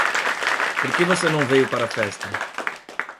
Por que você não veio para a festa?